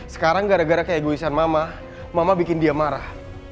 sekarang gara gara keegoisan mama mama bikin dia marah